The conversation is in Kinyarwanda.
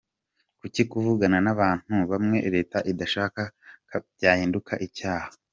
Kuki kuvugana n’abantu bamwe Leta idashaka byahinduka icyaha?